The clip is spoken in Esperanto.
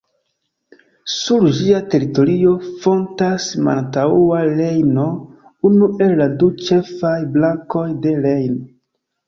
Sur ĝia teritorio fontas Malantaŭa Rejno, unu el la du ĉefaj brakoj de Rejno.